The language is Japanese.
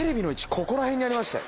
ここら辺にありましたよ